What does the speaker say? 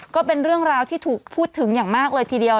ก็เป็นเรื่องราวที่ถูกพูดถึงอย่างมากเลยทีเดียว